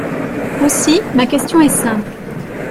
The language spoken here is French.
Aussi, ma question est simple.